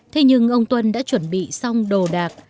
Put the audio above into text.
thế nhưng ông tuân đã chuẩn bị xong đồ đạc